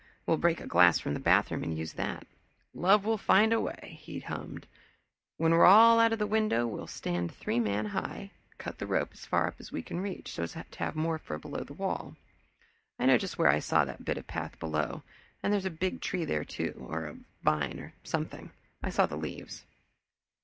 We'll break a glass from the bathroom and use that. 'Love will find out a way,'" he hummed. "When we're all out of the window, we'll stand three man high and cut the rope as far up as we can reach, so as to have more for the wall. I know just where I saw that bit of path below, and there's a big tree there, too, or a vine or something I saw the leaves."